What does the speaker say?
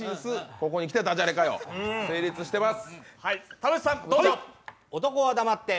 ここにきてだじゃれかよ、成立してます。